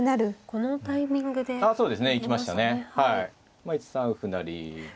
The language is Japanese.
まあ１三歩成で。